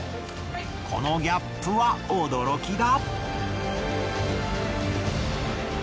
このギャップは驚きだ。